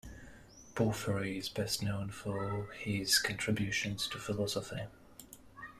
Porphyry is best known for his contributions to philosophy.